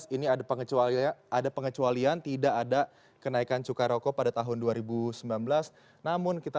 ini ada pengecualian ada pengecualian tidak ada kenaikan cukai rokok pada tahun dua ribu sembilan belas namun kita